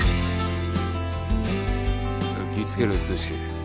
気ぃ付けろよ剛。